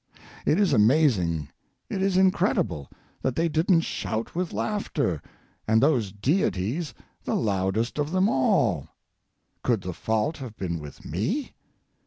It is amazing, it is incredible, that they didn't shout with laughter, and those deities the loudest of them all. Could the fault have been with me?